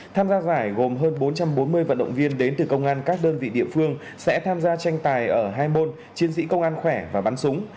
tham gia giải gồm hơn bốn trăm bốn mươi vận động viên đến từ công an các đơn vị địa phương sẽ tham gia tranh tài ở hai môn chiến sĩ công an khỏe và bắn súng